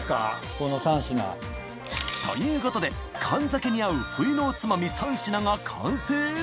この３品。ということで燗酒に合う冬のおつまみ３品が完成。